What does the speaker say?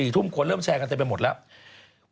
๔ทุ่มคนเริ่มแชร์กันเต็มไปหมดแล้ว